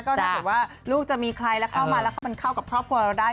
ก็ถ้าเกิดว่าลูกจะมีใครแล้วเข้ามาแล้วมันเข้ากับครอบครัวเราได้